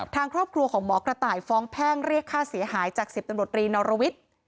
ทางครอบครัวของหมอกระต่ายฟ้องแพ่งเรียกค่าเสียหายจาก๑๐ตำรวจรีนรวิทย์